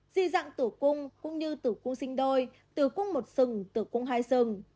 di dạng tủ cung cũng như tủ cung sinh đôi tủ cung một sừng tủ cung hai sừng